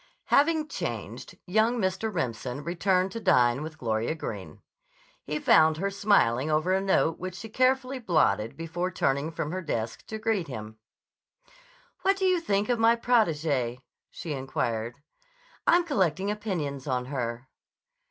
Having changed, young Mr. Remsen returned to dine with Gloria Greene. He found her smiling over a note which she carefully blotted before turning from her desk to greet him. "What did you think of my protégée?" she inquired. "I'm collecting opinions on her."